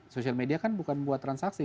sosial media kan bukan buat transaksi